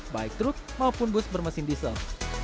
baik truk maupun bus bermesin diesel